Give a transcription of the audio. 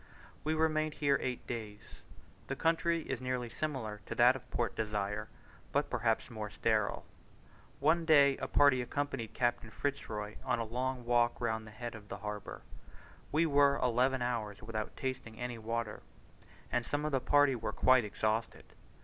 We remained here eight days. The country is nearly similar to that of Port Desire, but perhaps rather more sterile. One day a party accompanied Captain Fitz Roy on a long walk round the head of the harbour. We were eleven hours without tasting any water, and some of the party were quite exhausted.